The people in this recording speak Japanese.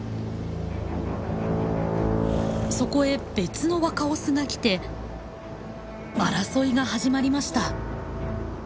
そこへ別の若オスが来て争いが始まりました。